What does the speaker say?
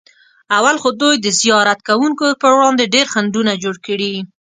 اول خو دوی د زیارت کوونکو پر وړاندې ډېر خنډونه جوړ کړي.